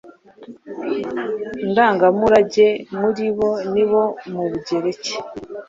ndangamurage, muri bo ni abo mu Bugereki.